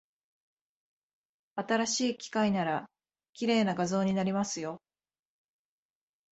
新しい機械なら、綺麗な画像になりますよ。